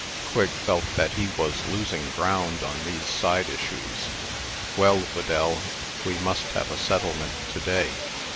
Quigg felt that he was losing ground on these side issues. "Well, Whedell, we must have a settlement to day.